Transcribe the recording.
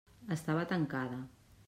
Estava tancada.